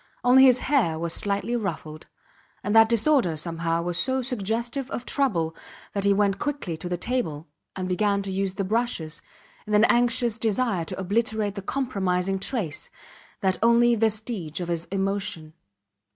Only his hair was slightly ruffled, and that disorder, somehow, was so suggestive of trouble that he went quickly to the table, and began to use the brushes, in an anxious desire to obliterate the compromising trace, that only vestige of his emotion.